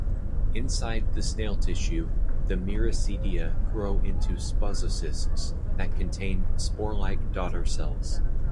Inside the snail tissue, the miracidia grow into sposocysts, that contains spore-like daughter cells.